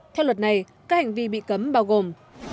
theo luật này các hành vi bị cấm bao gồm